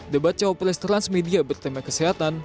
debat cawapres transmedia bertema kesehatan